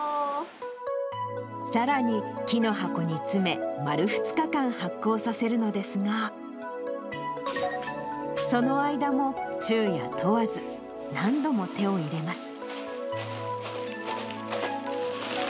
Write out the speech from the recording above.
さらに、木の箱に詰め、丸２日間発酵させるのですが、その間も昼夜問わず、何度も手を入れます。